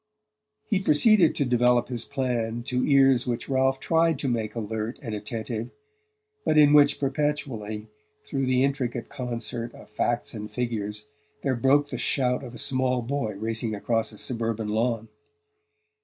He proceeded to develop his plan to ears which Ralph tried to make alert and attentive, but in which perpetually, through the intricate concert of facts and figures, there broke the shout of a small boy racing across a suburban lawn.